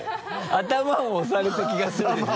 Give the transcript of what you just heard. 頭を押された気がするでしょ？